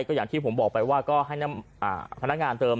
ก็อย่างที่ผมบอกไปว่าก็ให้พนักงานเติม